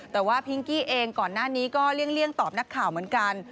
แต่ว่าพิงกี้เองก่อนหน้านี้ก็เลี่ยงตอบนักข่าวเหมือนกัน